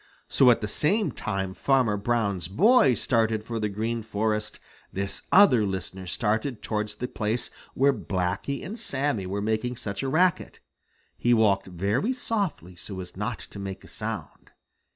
So at the same time Farmer Brown's boy started for the Green Forest, this other listener started towards the place where Blacky and Sammy were making such a racket. He walked very softly so as not to make a sound.